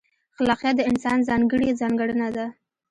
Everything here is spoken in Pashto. خلاقیت د انسان ځانګړې ځانګړنه ده.